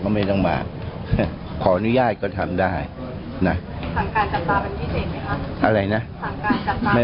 ก็คิดไปเองว่ามีภูมิกับหน้า